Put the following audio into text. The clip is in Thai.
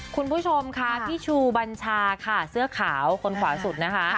คุณผู้ชมค่ะพี่ชูบัญชาค่ะเสื้อขาวคนขวาสุดนะคะ